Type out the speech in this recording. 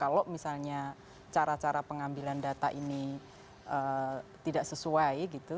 kalau misalnya cara cara pengambilan data ini tidak sesuai gitu